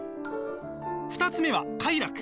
２つ目は快楽。